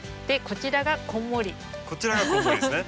こちらがこんもりですね。